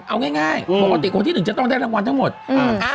เอาง่ายปกติคนที่หนึ่งจะต้องได้รางวัลทั้งหมด